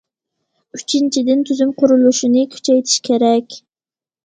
ئۈچىنچىدىن، تۈزۈم قۇرۇلۇشىنى كۈچەيتىش كېرەك.